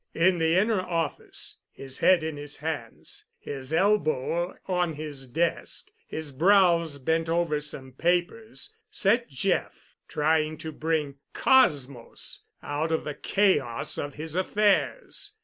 In the inner office, his head in his hands, his elbows on his desk, his brows bent over some papers, sat Jeff, trying to bring cosmos out of the chaos of his affairs.